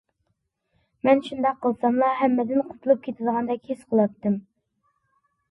مەن شۇنداق قىلساملا ھەممىدىن قۇتۇلۇپ كېتىدىغاندەك ھېس قىلاتتىم.